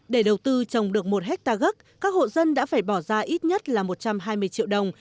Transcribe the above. để đầu tư trồng được một hectare gốc các hộ dân đã phải bỏ ra ít nhất là một trăm hai mươi triệu đồng